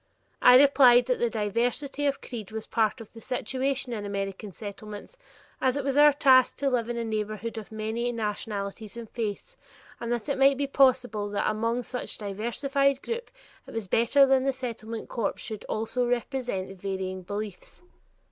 I replied that this diversity of creed was part of the situation in American Settlements, as it was our task to live in a neighborhood of many nationalities and faiths, and that it might be possible that among such diversified people it was better that the Settlement corps should also represent varying religious beliefs.